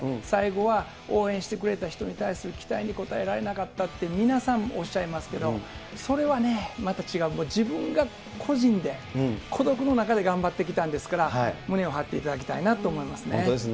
最後は、応援してくれた人に対する期待に応えられなかったっていう皆さん、おっしゃいますけども、それはね、また違う、もう自分が個人で、孤独の中で頑張ってきたんですから、胸を張っていただきたいなと本当ですね。